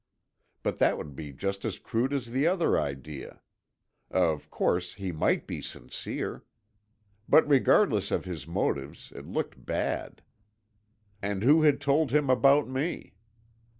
But that would be just as crude as the other idea. Of course, he might be sincere. But regardless of his motives, it looked bad. Arid who had told him about me?